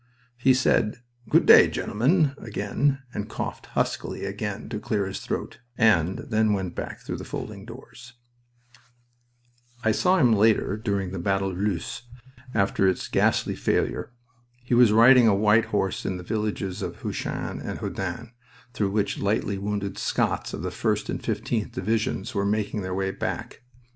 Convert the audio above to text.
He said, "Good day, gentlemen," again, and coughed huskily again to clear his throat, and then went back through the folding doors. I saw him later, during the battle of Loos, after its ghastly failure. He was riding a white horse in the villages of Heuchin and Houdain, through which lightly wounded Scots of the 1st and 15th Divisions were making their way back.